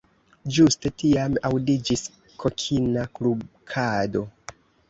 Ĝuste tiam, aŭdiĝis kokina klukado.